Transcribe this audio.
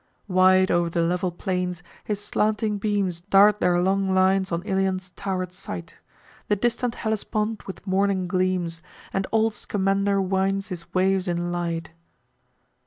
Wide o'er the level plains, his slanting beams Dart their long lines on Ilion's tower'd site; The distant Hellespont with morning gleams, And old Scamander winds his waves in light.